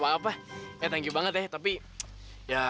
si seluruh modal ini masuk ketidakp nota